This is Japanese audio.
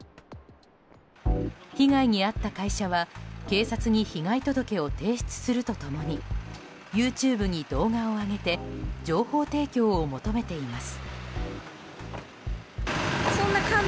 被害に遭った会社は警察に被害届を提出すると共にＹｏｕＴｕｂｅに動画を上げる情報提供を求めています。